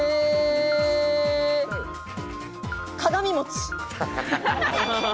鏡餅。